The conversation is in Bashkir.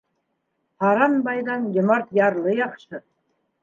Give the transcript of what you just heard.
Һаран байҙан йомарт ярлы яҡшы.